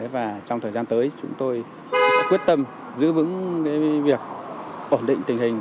và trong thời gian tới chúng tôi quyết tâm giữ vững việc ổn định tình hình